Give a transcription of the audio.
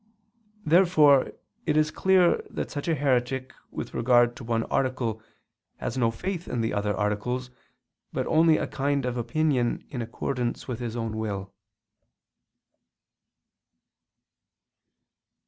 Therefore it is clear that such a heretic with regard to one article has no faith in the other articles, but only a kind of opinion in accordance with his own will.